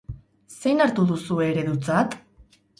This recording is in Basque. Zein hartu duzue eredutzat?